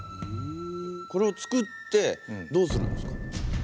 これをつくってどうするんですか？